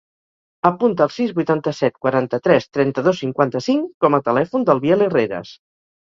Apunta el sis, vuitanta-set, quaranta-tres, trenta-dos, cinquanta-cinc com a telèfon del Biel Herreras.